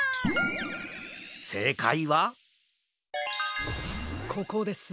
せいかいはここですね。